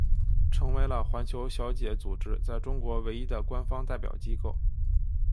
成为了环球小姐组织在中国唯一的官方代表机构。